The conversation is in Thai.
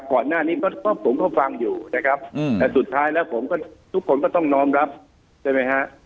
ก่อนหน้านี้ก็ผมก็ฟังอยู่นะครับแต่สุดท้ายแล้วผมก็ทุกคนก็ต้องน้อมรับใช่ไหมฮะ